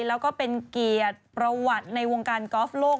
แล้วก็เป็นเกียรติประวัติในวงการกอล์ฟโลก